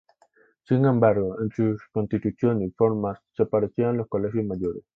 Sin embargo, en sus constituciones y forma se parecían a los colegios mayores.